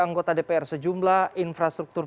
anggota dpr sejumlah infrastruktur